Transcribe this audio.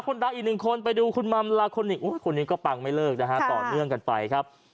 ดังอีกหนึ่งคนไปดูคุณมัมลาโคนิคคนนี้ก็ปังไม่เลิกนะฮะต่อเนื่องกันไปครับ